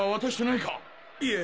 いえ